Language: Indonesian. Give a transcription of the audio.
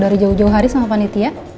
dari jauh jauh hari sama panitia